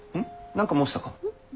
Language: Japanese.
何か申したか？